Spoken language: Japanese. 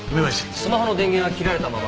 スマホの電源は切られたまま。